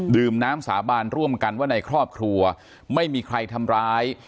ดื่มน้ำสาบานร่วมกันว่าในครอบครัวไม่มีใครทำร้าย